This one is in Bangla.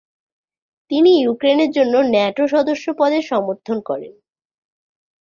তিনি ইউক্রেনের জন্য ন্যাটো সদস্যপদের সমর্থন করেন।